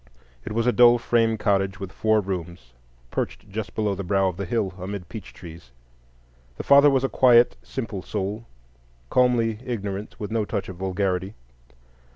It was a dull frame cottage with four rooms, perched just below the brow of the hill, amid peach trees. The father was a quiet, simple soul, calmly ignorant, with no touch of vulgarity.